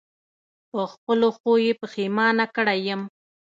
په خپلو ښو یې پښېمانه کړی یم.